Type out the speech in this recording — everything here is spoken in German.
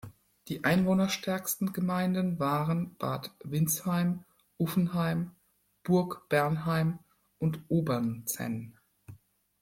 Die einwohnerstärksten Gemeinden waren Bad Windsheim, Uffenheim, Burgbernheim und Obernzenn.